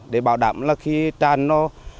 để bảo đảm là khi tràn nó